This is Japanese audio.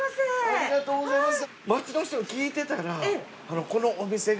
ありがとうございます。